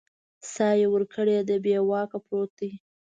ساه یې ورکړې ده بې واکه پروت دی